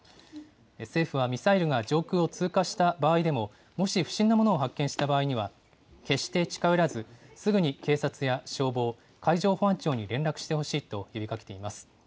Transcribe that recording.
政府はミサイルが上空を通過した場合でも、もし不審なものを発見した場合には、決して近寄らず、すぐに警察や消防、海上保安庁に連絡してほしいと呼びかけています。